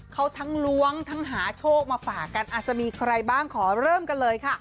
เขาทั้งล้วงทั้งหาโชคมาฝากกันอาจจะมีใครบ้างขอเริ่มกันเลยค่ะ